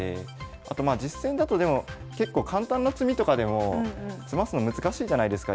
あとまあ実戦だとでも結構簡単な詰みとかでも詰ますの難しいじゃないですか。